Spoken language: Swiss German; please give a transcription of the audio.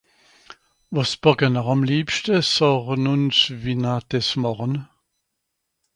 Wàs bàcken'r àm liebschte ? sààwe-n uns wie-n'r diss màchen